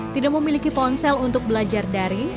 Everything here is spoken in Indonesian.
tidak memiliki ponsel untuk belajar daring